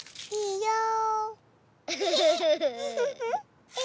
いいよ。